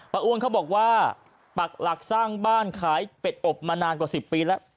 อ้วนเขาบอกว่าปักหลักสร้างบ้านขายเป็ดอบมานานกว่า๑๐ปีแล้ว